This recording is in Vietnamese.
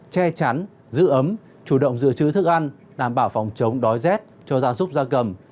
che chắn giữ ấm chủ động giữ chữ thức ăn đảm bảo phòng chống đói rét cho gia súc gia cầm